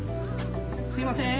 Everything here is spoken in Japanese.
すいません。